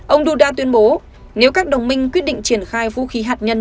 ông duda tuyên bố nếu các đồng minh quyết định triển khai vũ khí hạt nhân